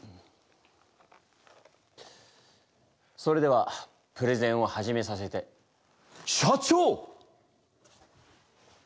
それではプレゼンを始めさせて社長！